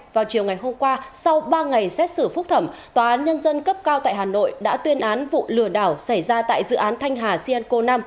vào chiều ngày hôm qua sau ba ngày xét xử phúc thẩm tòa án nhân dân cấp cao tại hà nội đã tuyên án vụ lừa đảo xảy ra tại dự án thanh hà sianco năm